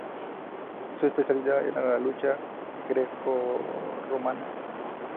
Su especialidad era la lucha grecorromana.